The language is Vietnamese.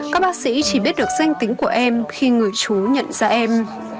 các bác sĩ chỉ biết được danh tính của em khi người chú nhận ra em